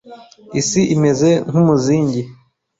Isi imeze nkumuzingi.